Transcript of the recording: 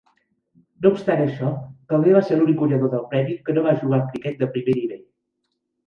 No obstant això, Calder va ser l'únic guanyador del premi que no va jugar al criquet de primer nivell.